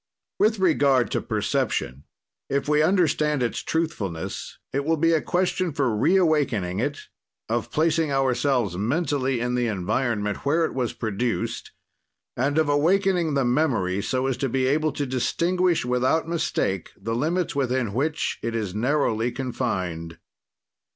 "With regard to perception, if we understand its truthfulness; it will be a question for reawakening it, of placing ourselves mentally in the environment where it was produced, and of awakening the memory, so as to be able to distinguish, without mistake, the limits within which it is narrowly confined.